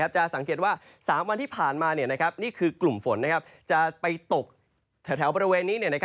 จะสังเกตว่า๓วันที่ผ่านมานี่คือกลุ่มฝนจะไปตกแถวบริเวณนี้